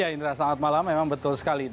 ya indra selamat malam memang betul sekali